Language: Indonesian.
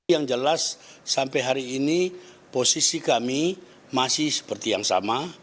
yang jelas sampai hari ini posisi kami masih seperti yang sama